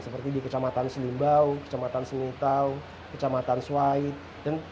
seperti di kecamatan selimbau kecamatan senitau kecamatan swait